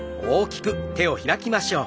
大きく開きます。